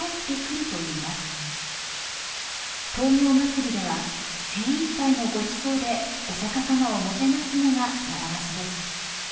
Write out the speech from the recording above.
灯明祭では精いっぱいのごちそうでお釈様をもてなすのが習わしです。